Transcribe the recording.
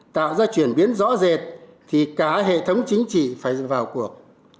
tạo ra chuyển biến rõ rệt thì cả hệ thống chính trị phải vào cuộc